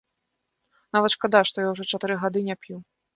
Нават шкада, што я ўжо чатыры гады не п'ю.